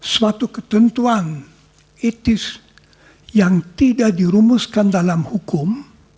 suatu ketentuan etis yang tidak dirumuskan dalam hukum